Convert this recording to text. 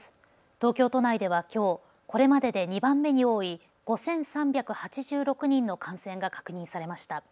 東京都内ではきょうこれまでで２番目に多い５３８６人の感染が確認されました。